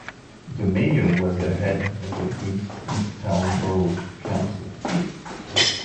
The mayor was the head of the Queenstown Borough Council.